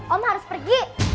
om harus pergi